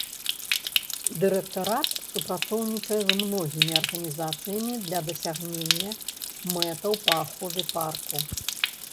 Дырэктарат супрацоўнічае з многімі арганізацыямі для дасягнення мэтаў па ахове парку.